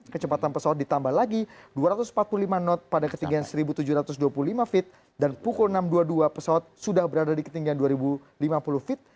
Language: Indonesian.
kecepatan pesawat ditambah lagi dua ratus empat puluh lima knot pada ketinggian seribu tujuh ratus dua puluh lima feet dan pukul enam dua puluh dua pesawat sudah berada di ketinggian dua ribu lima puluh feet